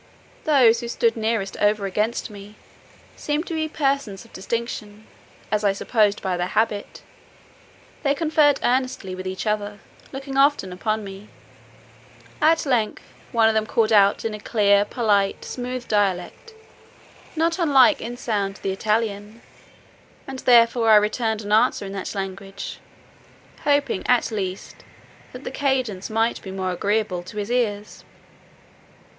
Those who stood nearest over against me, seemed to be persons of distinction, as I supposed by their habit. They conferred earnestly with each other, looking often upon me. At length one of them called out in a clear, polite, smooth dialect, not unlike in sound to the Italian: and therefore I returned an answer in that language, hoping at least that the cadence might be more agreeable to his ears.